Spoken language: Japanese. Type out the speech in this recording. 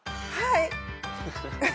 はい。